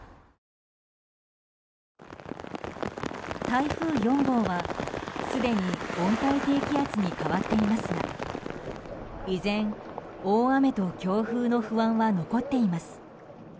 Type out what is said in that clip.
台風４号はすでに温帯低気圧に変わっていますが依然、大雨と強風の不安は残っています。